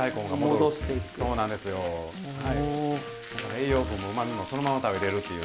栄養素もうまみもそのまま食べれるっていう。